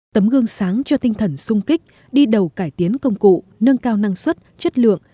tấm gương sáng cho tinh thần sung kích đi đầu cải tiến công cụ nâng cao năng suất chất lượng